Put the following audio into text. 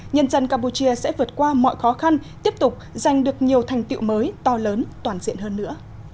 nhân dân campuchia sẽ vượt qua mọi khó khăn tiếp tục giành được nhiều thành tiệu mới to lớn toàn diện hơn nữa